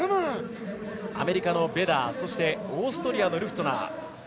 アメリカのベダーオーストリアのルフトゥナー。